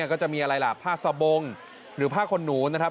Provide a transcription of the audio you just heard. ก็จะมีอะไรล่ะผ้าสะบงหรือผ้าขนหนูนะครับ